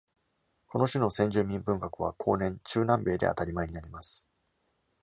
この種の「先住民文学」は後年、中南米で当たり前になります。